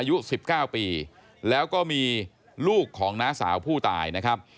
อายุ๑๙ปีแล้วก็มีลูกของน้าสาวผู้ตายนะครับ